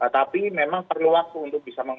tapi memang perlu waktu untuk bisa